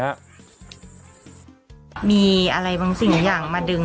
จัดกระบวนพร้อมกัน